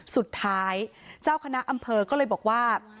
สุดท้ายเจ้าคณะอำเภอก็เลยบอกว่า